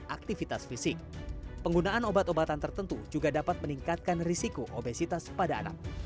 aktivitas fisik penggunaan obat obatan tertentu juga dapat meningkatkan risiko obesitas pada anak